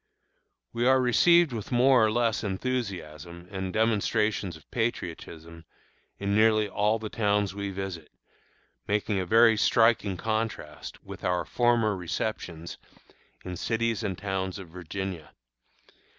We are received with more or less enthusiasm and demonstrations of patriotism in nearly all the towns we visit, making a very striking contrast with our former receptions in cities and towns of Virginia.